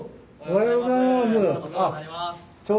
おはようございます。